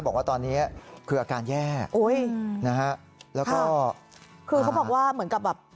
บอกว่าตอนนี้คืออาการแย่นะฮะแล้วก็คือเขาบอกว่าเหมือนกับแบบ